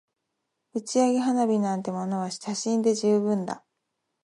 打ち上げ花火なんてものは写真で十分だ